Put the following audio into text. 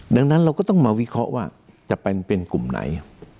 ดังนั้นเราก็ต้องมาวิเคราะห์ว่าจะเป็นกลุ่มไหน